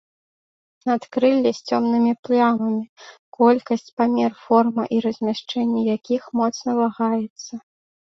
Надкрылле з цёмнымі плямамі, колькасць, памер, форма і размяшчэнне якіх моцна вагаецца.